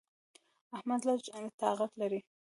احمد لږ طاقت لري.